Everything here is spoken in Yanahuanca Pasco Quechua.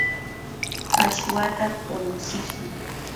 aswata puqutsishun.